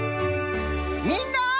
みんな！